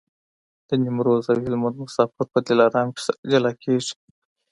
د نیمروز او هلمند مسافر په دلارام کي سره جلا کېږي.